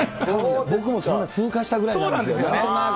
僕もそんな、通過したぐらいそうなんですよね。